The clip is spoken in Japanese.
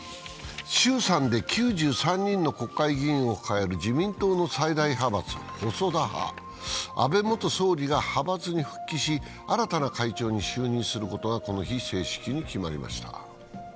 衆参で９３人の国会議員を抱える、自民党の最大派閥、細田派安倍元首相が派閥に復帰し、新たな会長に就任することがこの日、正式に決まりました。